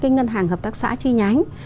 ngân hàng hợp tác xã chi nhánh